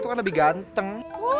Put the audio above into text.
itu kan lebih ganteng